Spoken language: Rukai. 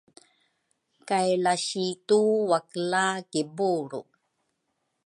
kay lasitu wakela kibulru.